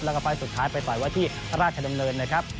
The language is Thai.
แล้วก็ไฟล์สุดท้ายไปต่อยไว้ที่ราชดำเนินนะครับ